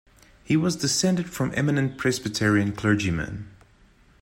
He was descended from eminent Presbyterian clergymen.